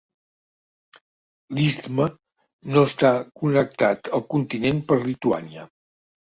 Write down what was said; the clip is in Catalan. L'Istme no està connectat al continent per Lituània.